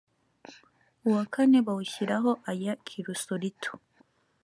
uwa kane a bawushyiraho aya kirusolito